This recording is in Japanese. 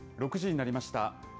６時になりました。